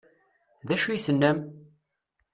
D acu i tennam?